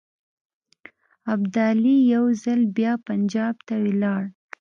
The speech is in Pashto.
ابدالي یو ځل بیا پنجاب ته ولاړ.